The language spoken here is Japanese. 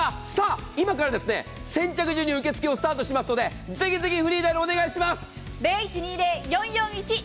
今から先着順に受付をスタートしますので、ぜひぜひフリーダイヤル、お願いします。